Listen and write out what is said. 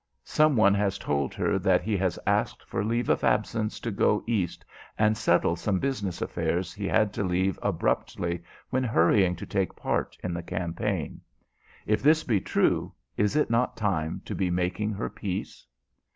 Some one has told her that he has asked for leave of absence to go East and settle some business affairs he had to leave abruptly when hurrying to take part in the campaign. If this be true is it not time to be making her peace?